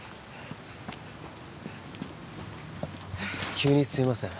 急にすみません